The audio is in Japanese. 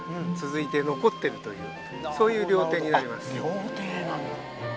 あっ料亭なんだ。